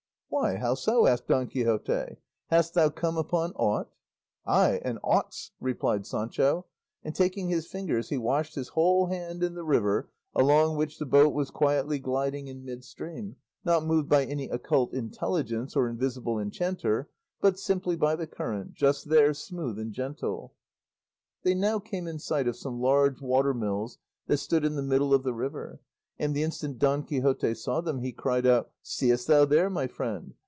"Why, how so?" asked Don Quixote; "hast thou come upon aught?" "Ay, and aughts," replied Sancho; and shaking his fingers he washed his whole hand in the river along which the boat was quietly gliding in midstream, not moved by any occult intelligence or invisible enchanter, but simply by the current, just there smooth and gentle. They now came in sight of some large water mills that stood in the middle of the river, and the instant Don Quixote saw them he cried out, "Seest thou there, my friend?